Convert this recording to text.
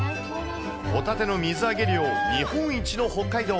ホタテの水揚げ量日本一の北海道。